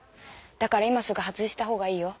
だから今すぐ外した方がいいよ。